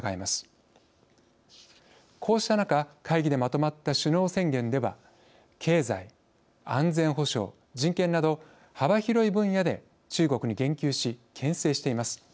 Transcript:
こうした中会議でまとまった首脳宣言では経済・安全保障・人権など幅広い分野で中国に言及しけん制しています。